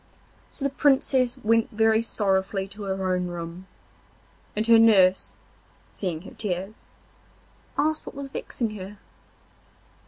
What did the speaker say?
So the Princess went very sorrowfully to her own room, and her nurse, seeing her tears, asked what was vexing her.